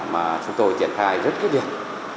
mà chúng tôi triển khai rất kỹ liệt